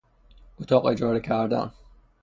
اتاق اجاره کردن